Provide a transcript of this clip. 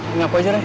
ini aku aja ray